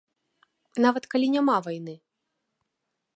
Нават калі няма вайны.